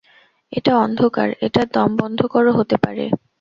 এটা অন্ধকার, এটা দম বন্ধকরও হতে পারে।